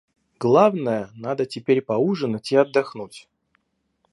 Главное, надо теперь поужинать и отдохнуть.